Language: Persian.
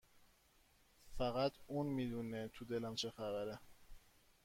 فقط اون میدونه تو دلم چه خبره